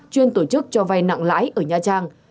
chuyên tổ chức cho vay nặng lãi ở nha trang